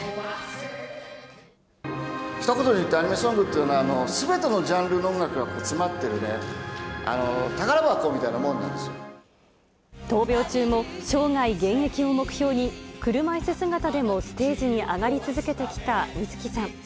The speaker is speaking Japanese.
ひと言で言うとアニメソングっていうのは、すべてのジャンルの音楽が詰まってるね、闘病中も生涯現役を目標に、車いす姿でもステージに上がり続けてきた水木さん。